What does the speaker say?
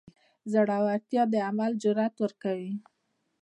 زړورتیا د عمل جرئت ورکوي.